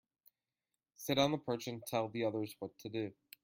Sit on the perch and tell the others what to do.